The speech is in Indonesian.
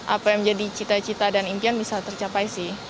apa yang menjadi cita cita dan impian bisa tercapai sih